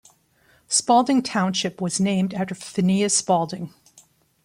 Spaulding Township was named after Phineas Spalding.